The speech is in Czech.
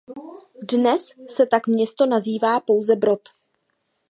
Dnes se tak město nazývá pouze Brod.